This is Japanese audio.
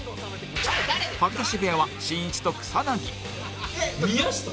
吐き出し部屋はしんいちと草薙